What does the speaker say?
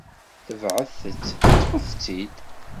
Tebɛet-tt, ṭṭfet-tt-id.